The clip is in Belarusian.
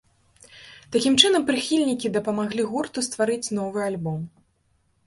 Такім чынам прыхільнікі дапамаглі гурту стварыць новы альбом.